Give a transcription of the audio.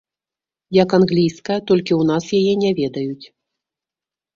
Як англійская, толькі ў нас яе не ведаюць.